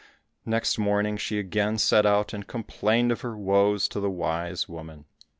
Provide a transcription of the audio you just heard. Next morning she again set out and complained of her woes to the wise woman.